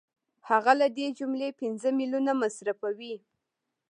هغه له دې جملې پنځه میلیونه مصرفوي